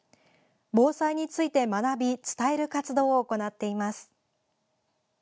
防災について学び伝える活動を行っています。